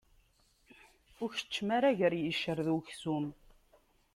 Ur keččem ara gar yiccer d uksum.